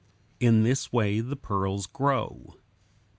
In this way the pearls grow.